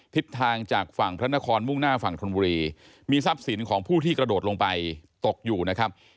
ทิศทางจากฝั่งพระนครมุ่งหน้าฝั่งธนบุรีมีทรัพย์สินของผู้ที่กระโดดลงไปตกอยู่นะครับ